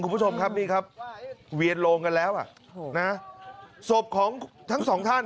คุณผู้ชมครับนี่ครับเวียนโลงกันแล้วอ่ะนะศพของทั้งสองท่าน